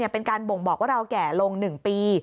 เป็นการบ่งบอกว่าเราแก่ลง๑ปี